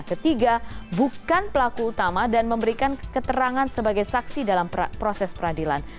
ketiga bukan pelaku utama dan memberikan keterangan sebagai saksi dalam proses peradilan